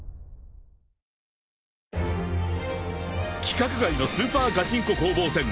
［規格外のスーパーガチンコ攻防戦